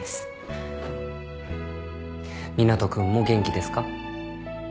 湊斗君も元気ですか？